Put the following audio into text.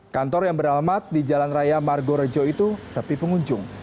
kantor yang beralamat di jalan raya margorejo itu sepi pengunjung